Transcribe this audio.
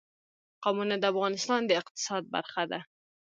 قومونه د افغانستان د اقتصاد برخه ده.